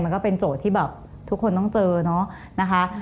ก็เป็นโจทย์ที่แบบทุกคนต้องเจอเนาะนะคะ